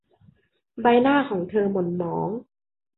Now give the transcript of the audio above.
ใบหน้าของเธอหม่นหมอง